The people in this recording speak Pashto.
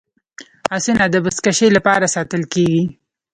اسونه د بزکشۍ لپاره ساتل کیږي.